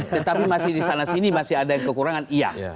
tetapi masih di sana sini masih ada yang kekurangan iya